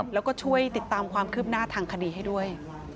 แล้วก็ช่วยติดตามความคืบหน้าทางคดีให้ด้วย